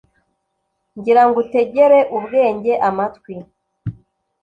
gira ngo utegere ubwenge amatwi